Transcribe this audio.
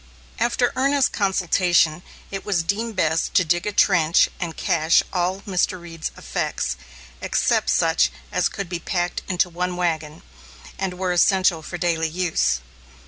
After earnest consultation, it was deemed best to dig a trench and cache all Mr. Reed's effects, except such as could be packed into one wagon, and were essential for daily use.